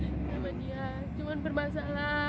sama dia cuma bermasalah